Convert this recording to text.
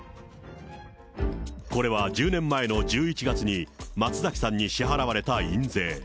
これは１０年前の１１月に、松崎さんに支払われた印税。